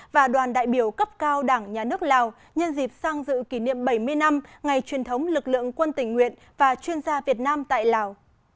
và đoàn đại biểu cấp cao đảng nhà nước lào nhân dịp sang dự kỷ niệm bảy mươi năm ngày truyền thống lực lượng quân tình nguyện và chuyên gia việt nam tại lào